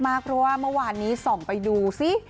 เพราะว่าเมื่อวานนี้ส่องไปดูซิ